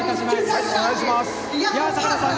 坂田さん